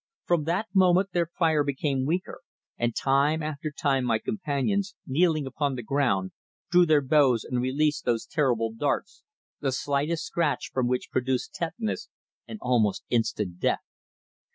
From that moment their fire became weaker, and time after time my companions, kneeling upon the ground, drew their bows and released those terrible darts, the slightest scratch from which produced tetanus and almost instant death.